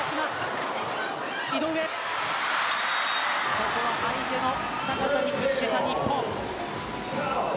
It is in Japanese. ここは相手の高さに屈した日本。